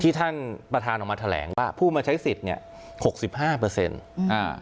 ท่านประธานออกมาแถลงว่าผู้มาใช้สิทธิ์เนี้ยหกสิบห้าเปอร์เซ็นต์อ่า